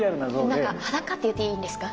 何か裸って言っていいんですか？